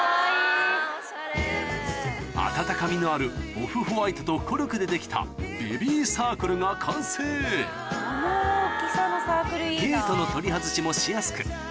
温かみのあるオフホワイトとコルクでできたベビーサークルが完成ゲートの取り外しもしやすく